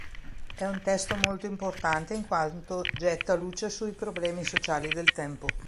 È un testo molto importante in quanto getta luce sui problemi sociali del tempo.